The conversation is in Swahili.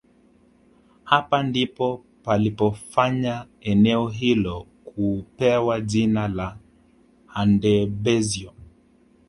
Hapa ndipo palipofanya eneo hilo kupewa jina la Handebezyo